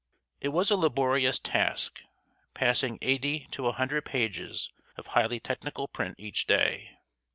It was a laborious task, passing eighty to a hundred pages of highly technical print each day.